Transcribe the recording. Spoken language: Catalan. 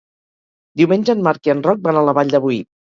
Diumenge en Marc i en Roc van a la Vall de Boí.